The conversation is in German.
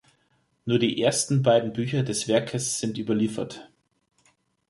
Nur die ersten beiden Bücher des Werkes sind überliefert.